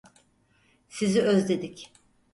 Sizi özledik.